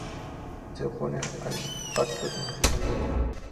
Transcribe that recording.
Se opone a "de facto", que significa ‘de hecho’.